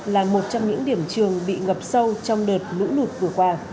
là một trong những điểm trường bị ngập sâu trong đợt lũ lụt vừa qua